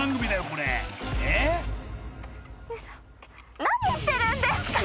これえ何してるんですか？